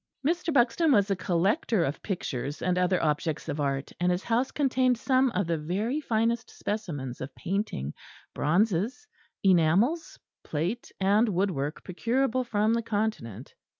Mr. Buxton was a collector of pictures and other objects of art; and his house contained some of the very finest specimens of painting, bronzes, enamels, plate and woodwork procurable from the Continent.